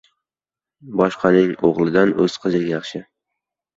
• Boshqaning o‘g‘lidan o‘z qizing yaxshi.